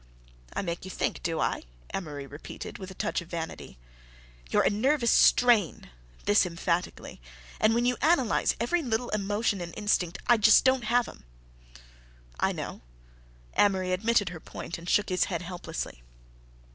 "I make you think, do I?" Amory repeated with a touch of vanity. "You're a nervous strain"—this emphatically—"and when you analyze every little emotion and instinct I just don't have 'em." "I know." Amory admitted her point and shook his head helplessly.